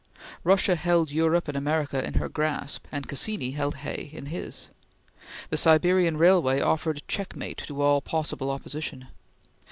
Russia held Europe and America in her grasp, and Cassini held Hay in his. The Siberian Railway offered checkmate to all possible opposition.